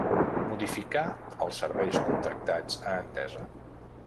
Modificar els serveis contractats a Endesa.